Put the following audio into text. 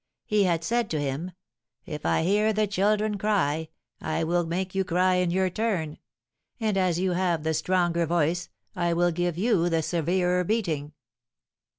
He had said to him, 'If I hear the children cry, I will make you cry in your turn; and, as you have the stronger voice, I will give you the severer beating.'"